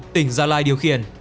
tỉnh gia lai điều khiển